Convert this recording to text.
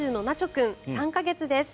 君３か月です。